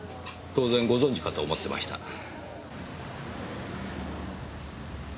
当然ご存じかと思ってました。